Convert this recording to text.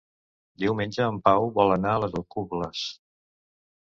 Diumenge en Pau vol anar a les Alcubles.